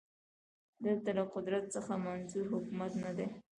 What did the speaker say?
دلته له قدرت څخه منظور حکومت نه دی